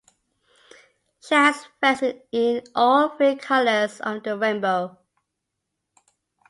She has vests in all three colors of the rainbow.